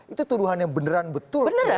itu tuduhan yang beneran betul